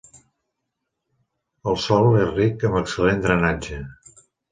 El sòl és ric amb excel·lent drenatge.